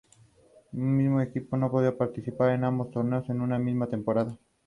Un mismo equipo no podía participar en ambos torneos en un misma temporada.